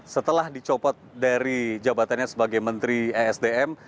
setelah dicopot dari jabatannya sebagai menteri esdm